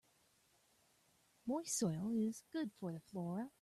Moist soil is good for the flora.